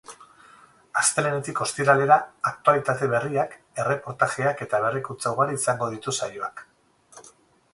Astelehenetik ostiralera, aktualitate berriak, erreportajeak eta berrikuntza ugari izango ditu saioak.